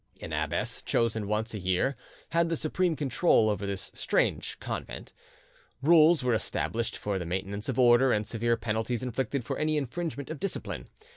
An abbess, chosen once a year, had the supreme control over this strange convent. Rules were established for the maintenance of order, and severe penalties inflicted for any infringement of discipline.